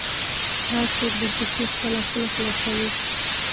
هر څوک درپسې خپله خوله خلاصوي .